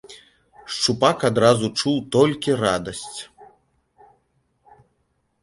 Шчупак адразу чуў толькі радасць.